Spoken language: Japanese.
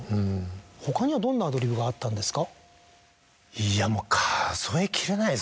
他にはどんなアドリブがあったんですか？